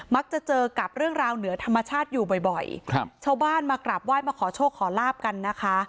เจอกับเรื่องราวเหนือธรรมชาติอยู่บ่อยบ่อยครับชาวบ้านมากราบไหว้มาขอโชคขอลาบกันนะคะ